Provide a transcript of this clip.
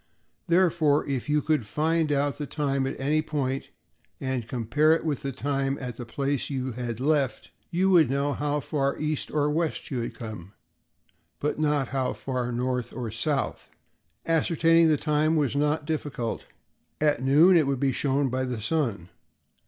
Therefore, if you could find out the time at any point, and could compare it with the time at the place you had left, you would know just how far east or west you had come, but not how far north or south. Ascertaining the time was not difficult; at noon it would be shown by the sun.